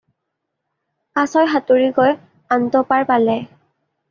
কাছই সাঁতুৰি গৈ আনটো পাৰ পালে।